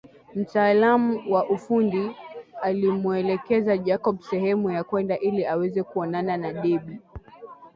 Mtaalamu wa ufundi alimuelekeza Jacob sehemu ya kwenda ili aweze kuonana na Debby